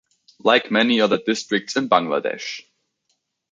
Like many other districts in Bangladesh.